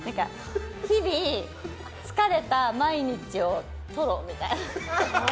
日々、疲れた毎日を吐露みたいな。